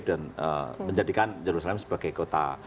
dan menjadikan jerusalem sebagai kota